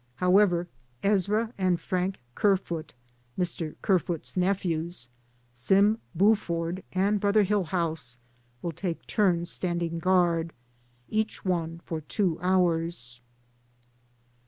However, Ezra and Frank Kerfoot (Mr. Kerfoot's nephews), Sim Bu ford, and Brother Hillhouse, will take turns standing guard, each one for two hours.